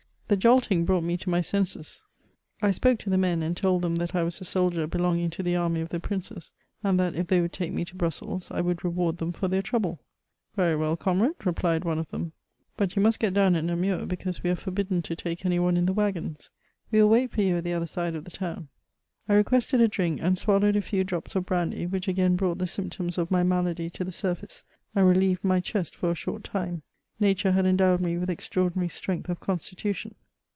The jolting brought me to my senses; I spoke to the men, and told them that I was a soldaer belong i ing to the army of the princes, and that if they would take me to Brussels I would reward them for fhiear trouble. « Very well, comrade," replied one of them, ''but you must get down at Namur, because we are forbidden to take any one in the waggons. We will wait for you at the other side of the town." I requested a drink, and swallowed a few drops of brandy, which again brought the symptoms of my malady to the sumbce, and relieved my chest for a short time ; nature had endowed me with extraordinary strength of constitution.